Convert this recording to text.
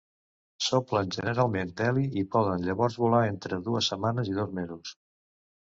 S'omplen generalment d'heli i poden llavors volar entra dues setmanes i dos mesos.